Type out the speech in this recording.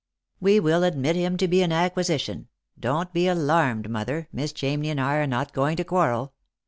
"We will admit him to be an acquisition. Don't be alarmed, mother, Miss Chamney and I are not going to quarrel.